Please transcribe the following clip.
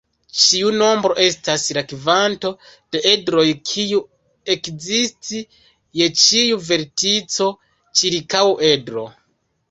Ĉiu nombro estas la kvanto de edroj kiu ekzisti je ĉiu vertico ĉirkaŭ edro.